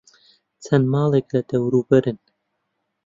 چەند ماڵێک لە دەوروبەرن.